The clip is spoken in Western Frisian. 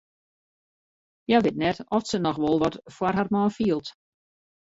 Hja wit net oft se noch wol wat foar har man fielt.